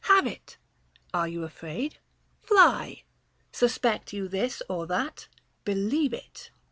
Have it. Are you afraid ? Fly. Suspect you this or that? Believe it.